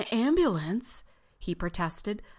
"Ambulance?" he protested.